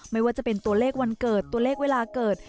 ไม่ว่าจะเป็นตัวเลขวันเกิดตัวเลขเวลาเกิด